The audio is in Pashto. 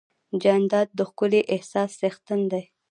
جانداد د ښکلي احساس څښتن دی.